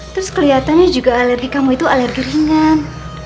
terus kelihatannya juga alergi kamu itu alergi ringan